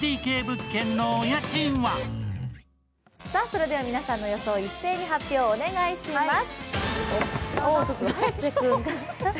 それでは、皆さんの予想を一斉に発表をお願いします。